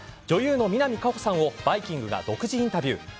女優の南果歩さんを「バイキング」が独自インタビュー。